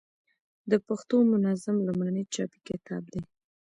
د پښتو منظم لومړنی چاپي کتاب دﺉ.